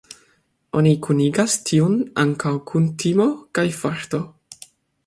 Oni kunigas tiun ankaŭ kun timo kaj forto.